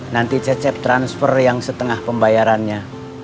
nanti cecep transfer yang setengah pembayarannya